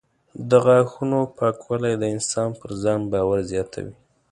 د غاښونو پاکوالی د انسان پر ځان باور زیاتوي.